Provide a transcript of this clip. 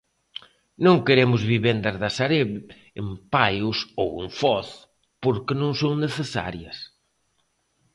Non queremos vivendas da Sareb en Paios ou en Foz porque non son necesarias.